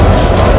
itu udah gila